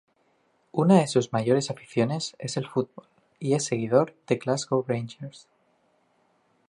Una de sus mayores aficiones es el fútbol y es seguidor de Glasgow Rangers.